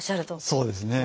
そうですね。